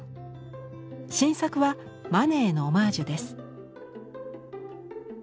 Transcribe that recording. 新作はマネへのオマージュです。